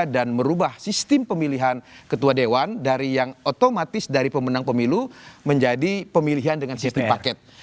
dan merubah sistem pemilihan ketua dewan dari yang otomatis dari pemenang pemilu menjadi pemilihan dengan sistem paket